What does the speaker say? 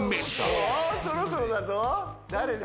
もうそろそろだぞ誰だ？